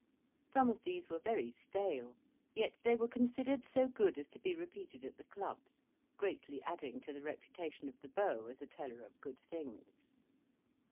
Some of these were very stale; yet they were considered so good as to be repeated at the clubs, greatly adding to the reputation of the Beau as a teller of good things.